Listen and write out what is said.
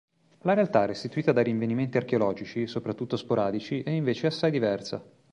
La realtà restituita dai rinvenimenti archeologici, soprattutto sporadici, è invece assai diversa.